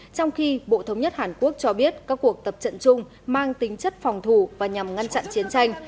trong khi bộ thống nhất hàn quốc cho biết các cuộc tập trận chung mang tính chất phòng thủ và nhằm ngăn chặn chiến tranh